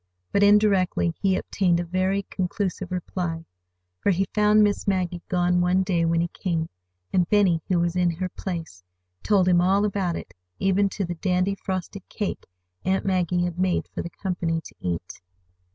But indirectly he obtained a very conclusive reply; for he found Miss Maggie gone one day when he came; and Benny, who was in her place, told him all about it, even to the dandy frosted cake Aunt Maggie had made for the company to eat.